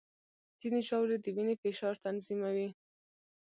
ځینې ژاولې د وینې فشار تنظیموي.